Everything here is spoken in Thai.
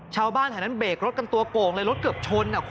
ชาวบ้านแถวนั้นเบรกรถกันตัวโก่งเลยรถเกือบชน